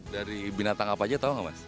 dari binatang apa aja tahu nggak mas